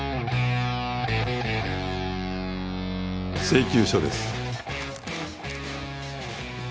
請求書です。